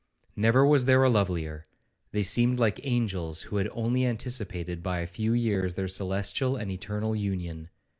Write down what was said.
Never was there a lovelier,—they seemed like angels who had only anticipated by a few years their celestial and eternal union.